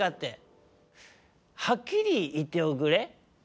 はっきりいっておくれ。